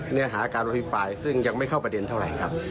เนื้อหาการอภิปรายซึ่งยังไม่เข้าประเด็นเท่าไหร่ครับ